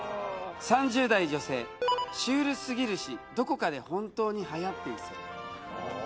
３０代女性「シュールすぎるしどこかで本当にはやっていそう」